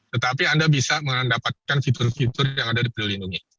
tetapi anda bisa mendapatkan fitur fitur yang ada di peduli lindungi